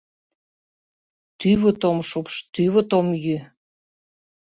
Тӱвыт ом шупш, тӱвыт ом йӱ.